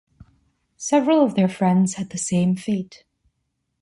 Several of their friends had the same fate.